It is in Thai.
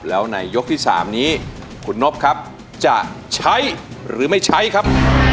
แล้วในยกที่๓นี้คุณนบครับจะใช้หรือไม่ใช้ครับ